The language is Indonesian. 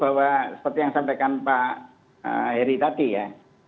bahwa seperti yang sampaikan pak heri tadi ya